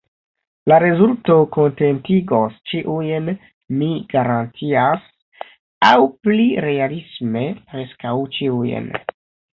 La rezulto kontentigos ĉiujn, mi garantias; aŭ pli realisme, preskaŭ ĉiujn.